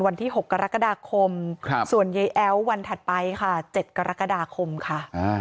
วันนี้ก็ไม่มี